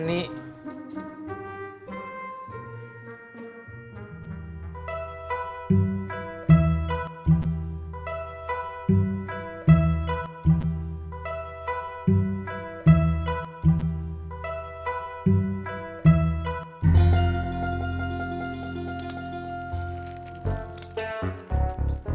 nanti aku mau